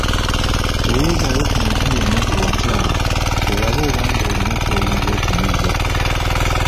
Lowoozaayo ku muntu yenna gwe wakyawa olabe oba nga olina ky'oyinza okumuyigako.